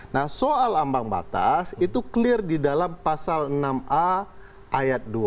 nah soal ambang batas itu clear di dalam pasal enam a ayat dua